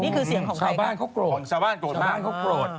นี่คือเสียงของใครครับชาวบ้านเขากรดชาวบ้านเขากรด